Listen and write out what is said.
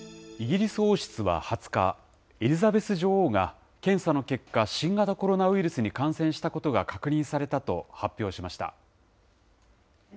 イギリス王室は２０日、エリザベス女王が、検査の結果、新型コロナウイルスに感染したことが確認されたと発表しました。